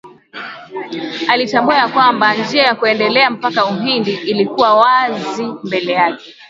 Alitambua ya kwamba njia ya kuendelea mpaka Uhindi ilikuwa wazi mbele yake